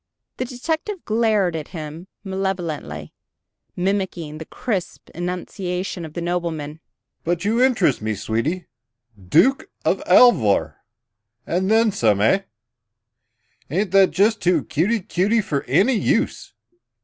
The detective glared at him malevolently, mimicking the crisp enunciation of the nobleman. "But you interest me, sweetie. Dook of Alver and then some, eh? Ain't that just too cutey cutey for any use?